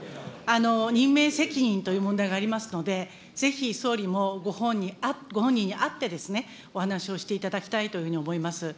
任命責任という問題がありますので、ぜひ総理もご本人に会ってですね、お話をしていただきたいというふうに思います。